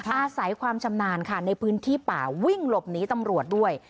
อาศัยความชำนาญค่ะในพื้นที่ป่าวิ่งหลบหนีตำรวจด้วย